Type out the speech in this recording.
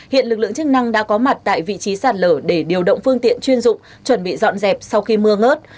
hiện lực lượng chức năng đã có mặt tại vị trí sạt lở để điều động phương tiện chuyên dụng chuẩn bị dọn dẹp sau khi mưa ngớt